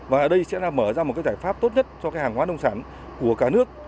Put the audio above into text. và ở đây sẽ là mở ra một cái giải pháp tốt nhất cho cái hàng hóa nông sản của cả nước